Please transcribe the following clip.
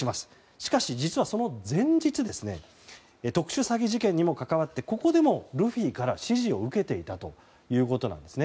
しかし実はその前日特殊詐欺事件にも関わってここでもルフィから指示を受けていたということなんですね。